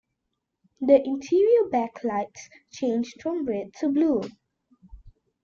The interior backlights changed from red to blue.